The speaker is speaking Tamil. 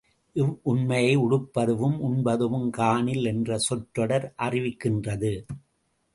இவ்வுண்மையை, உடுப்பதுவும் உண்பதுவும் காணில் என்ற சொற்றொடர் அறிவிக்கின்றது.